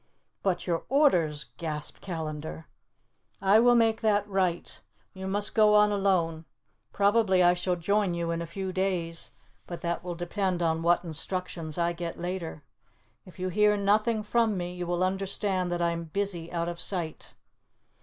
"But your orders?" gasped Callandar. "I will make that right. You must go on alone. Probably I shall join you in a few days, but that will depend on what instructions I get later. If you hear nothing from me you will understand that I am busy out of sight.